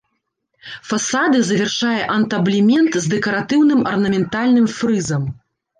Фасады завяршае антаблемент з дэкаратыўным арнаментальным фрызам.